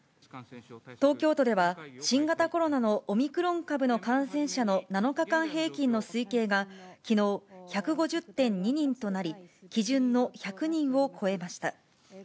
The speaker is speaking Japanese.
東京都では、新型コロナのオミクロン株の感染者の７日間平均の推計が、きのう、１５０．２人となり、基準の１００人を超えました。